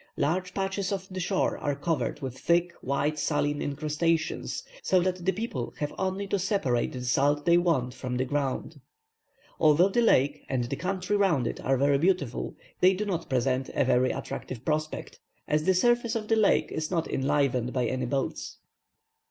Large patches of the shore are covered with thick, white saline incrustations, so that the people have only to separate the salt they want from the ground. Although the lake, and the country round it are very beautiful, they do not present a very attractive prospect, as the surface of the lake is not enlivened by any boats.